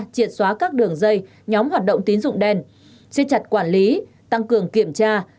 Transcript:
triệt xóa các đường dây nhóm hoạt động tín dụng đen siết chặt quản lý tăng cường kiểm tra